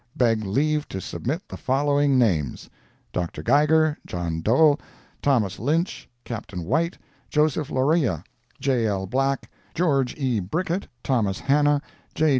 beg leave to submit the following names: Dr. Geiger, John Dohle, Thomas Lynch, Captain White, Joseph Loryea, J. L. Black, George E. Brickett, Thomas Hannah, J.